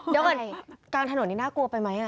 เดี๋ยวก่อนกลางถนนนี่น่ากลัวไปไหม